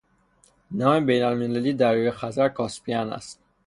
نام بینالمللی دریای خزر، کاسپین است